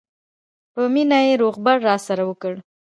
په مینه یې روغبړ راسره وکړ.